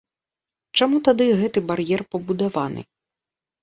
Чаму тады гэты бар'ер пабудаваны?